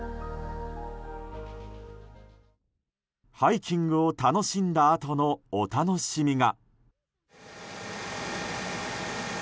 ハイキングを楽しんだあとのお楽しみが。